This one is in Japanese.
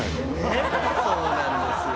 ねえそうなんですよ。